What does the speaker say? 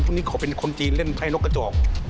นี้เขาเป็นคนจีนเล่นไพ่นกกระจอก